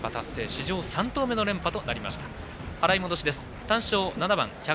史上３頭目の連覇達成となりました。